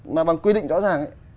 mà bằng quy định rõ ràng